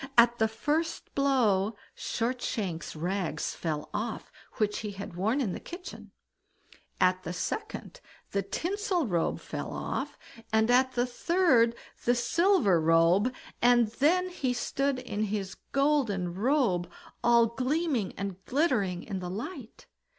At the first blow Shortshank's rags fell off which he had worn in the kitchen; at the second the tinsel robe fell off; and at the third the silver robe; and then he stood in his golden robe, all gleaming and glittering in the light.